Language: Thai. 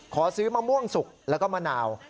ขอซื้อมะม่วงสุกแล้วก็มะนาว